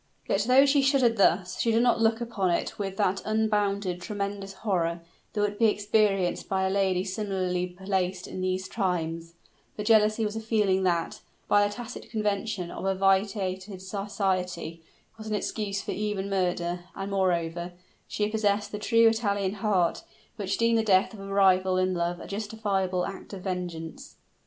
Yet, though she shuddered thus, she did not look upon it with that unbounded, tremendous horror that would be experienced by a lady similarly placed in these times; for jealousy was a feeling that, by the tacit convention of a vitiated society, was an excuse for even murder; and, moreover, she possessed the true Italian heart, which deemed the death of a rival in love a justifiable act of vengeance.